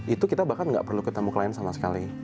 itu kita bahkan gak perlu ketemu klien sama sekali